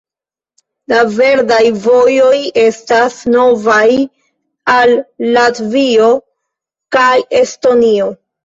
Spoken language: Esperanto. La verdaj vojoj estas novaj al Latvio kaj Estonio.